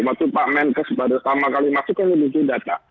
waktu pak menkes pertama kali masuk ke vinu itu data